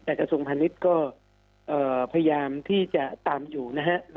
แต่กระทรวงพาณิชย์ก็พยายามที่จะตามอยู่นะฮะ